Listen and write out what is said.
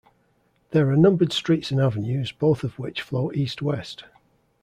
There are numbered streets and avenues both of which flow east-west.